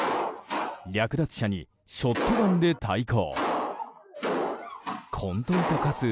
略奪者にショットガンで対抗。